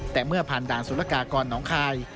แต่เมื่อผ่านด่านสุรกากรน้องคาย